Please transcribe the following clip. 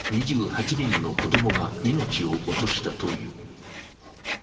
２８人の子供が命を落としたという。